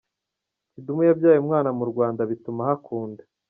Kidumu yabyaye umwana mu Rwanda bituma ahakunda